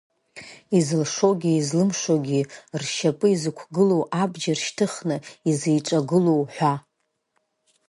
Изылшогьы, излымшогьы ршьапы изықәгылоу, абџьар шьҭыхны изиҿагылоу, ҳәа.